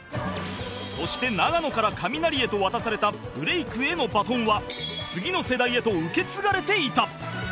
そして永野からカミナリへと渡されたブレイクへのバトンは次の世代へと受け継がれていた